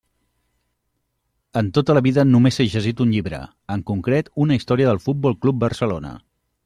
En tota la vida només he llegit un llibre, en concret una història del Futbol Club Barcelona.